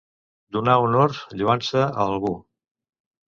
Donar honor, lloança, a algú.